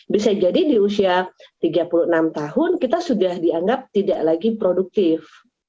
bisa jadi di usia tiga puluh enam tahun kita sudah dianggap tidak lagi produktif